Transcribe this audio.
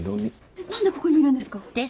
えっ何でここにいるんですか？